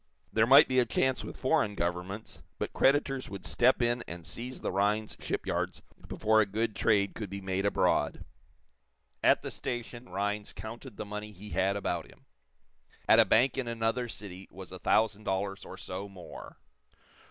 There might be a chance with foreign governments, but creditors would step in and seize the Rhinds shipyards before a good trade could be made abroad. At the station Rhinds counted the money he had about him. At a bank in another city was a thousand dollars or so more.